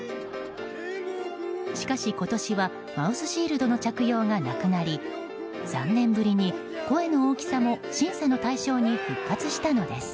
しかし今年はマウスシールドの着用がなくなり３年ぶりに声の大きさも審査の対象に復活したのです。